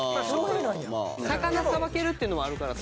魚さばけるっていうのがあるからさ。